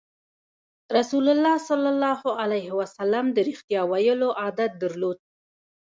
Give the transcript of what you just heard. رسول الله ﷺ د رښتیا ویلو عادت درلود.